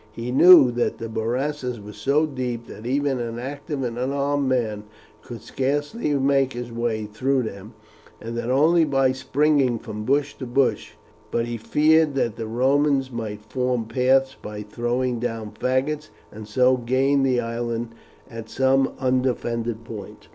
He knew that the morasses were so deep that even an active and unarmed man could scarce make his way through them and that only by springing from bush to bush. But he feared that the Romans might form paths by throwing down faggots, and so gain the island at some undefended point.